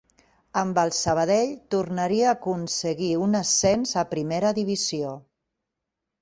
Amb el Sabadell tornaria a aconseguir un ascens a primera divisió.